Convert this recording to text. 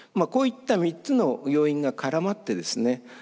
こういった３つの要因が絡まってですね